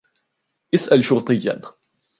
اسأل شرطيًّا!